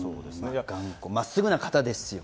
まっすぐな方ですよね。